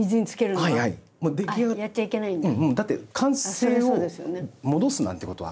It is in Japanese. だって完成を戻すなんてことは。